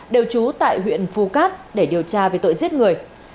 đều trú tại huyện phu cát để điều tra về tội giết người